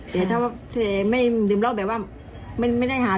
แต่ถ้าเขาแต่ว่าเขาไม่ดื่มเหล้าเหมือนว่า